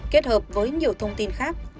kết hợp với nhiều thông tin khác